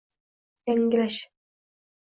Yangilash